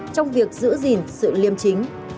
trong việc giữ gìn sự liêm chính